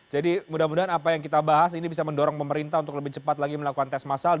jadi mudah mudahan apa yang kita bahas ini bisa mendorong pemerintah untuk lebih cepat lagi melakukan tes masal